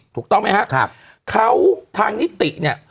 ถูกต้องไหมครับเขาทางนิติเนี่ย